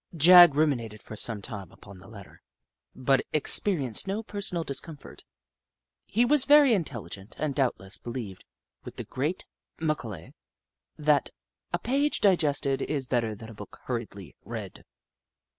Jagg ruminated for some time upon the letter, but experienced no personal discomfort. He was very intelligent and doubtless be lieved, with the great Macaulay, that " a page digested is better than a book hurriedly read."